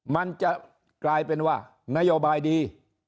มันจะกลายเป็นว่านโยบายดี